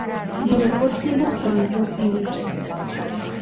მიეკუთვნება სემიტურ ენებს.